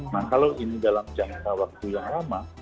nah kalau ini dalam jangka waktu yang lama